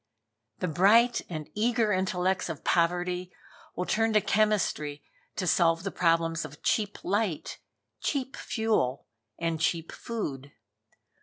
The bright and eager intellects of poverty will turn to Chemistry to solve the problems of cheap Light, cheap Fuel and cheap Food.